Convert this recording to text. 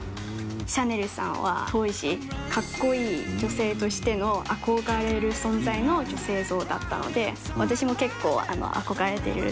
シャネルさんは当時格好いい女性としての憧れる存在の女性像だったので私も結構憧れてる。